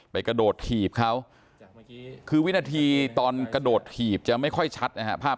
กระโดดถีบเขาคือวินาทีตอนกระโดดถีบจะไม่ค่อยชัดนะฮะภาพ